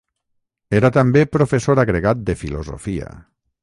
Era també professor agregat de filosofia.